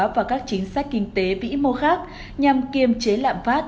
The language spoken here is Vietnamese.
và các chính sách kinh tế vĩ mô khác nhằm kiềm chế lạm phát